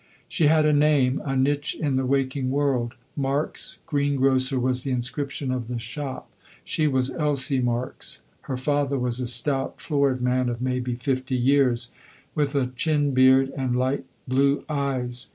She had a name, a niche in the waking world. Marks, Greengrocer, was the inscription of the shop. She was Elsie Marks. Her father was a stout, florid man of maybe fifty years, with a chin beard and light blue eyes.